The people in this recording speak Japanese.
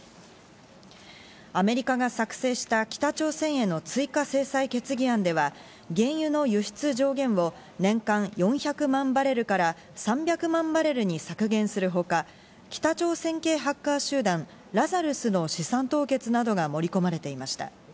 アメリカが作成した北朝鮮への追加制裁決議案では、原油の輸出上限を年間４００万バレルから３００万バレルに削減するほか、北朝鮮系ハッカー集団・ラザルスの資産凍結などが盛り込まれていました。